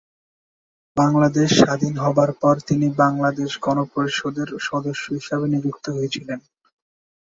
বাংলাদেশ স্বাধীন হবার পর তিনি বাংলাদেশ গণপরিষদের সদস্য হিসেবে নিযুক্ত হয়েছিলেন।